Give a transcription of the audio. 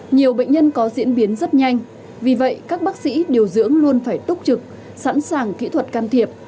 nhiều bệnh nhân có diễn biến rất nhanh vì vậy các bác sĩ điều dưỡng luôn phải túc trực sẵn sàng kỹ thuật can thiệp